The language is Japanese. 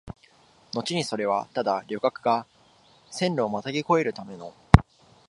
のちにそれはただ旅客が線路をまたぎ越えるための、